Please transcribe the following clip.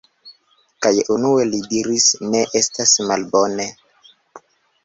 Kaj unue li diris: "Ne estas malbone".